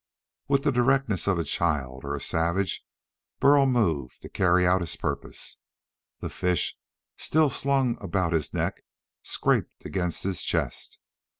With the directness of a child, or a savage, Burl moved to carry out his purpose. The fish still slung about his neck scraped against his chest.